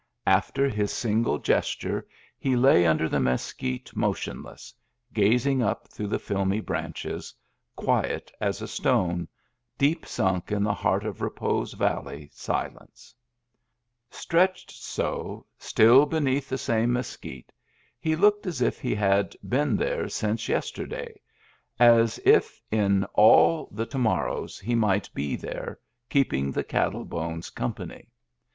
After his single gesture he lay under the mes quite motionless, gazing up through the filmy branches, quiet as a stone, deep sunk in the heart of Repose Valley silence. Stretched so, still be neath the same mesquite, he looked as if he had been there since yesterday, as if in all the to Digitized by Google 224 MEMBERS OF THE FAMILY morrows he might be there, keeping the cattle bones company.